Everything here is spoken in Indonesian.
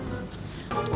tuh rafa malem